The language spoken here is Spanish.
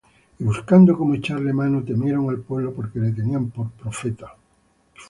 Y buscando cómo echarle mano, temieron al pueblo; porque le tenían por profeta.